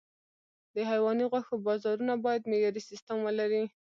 د حيواني غوښو بازارونه باید معیاري سیستم ولري.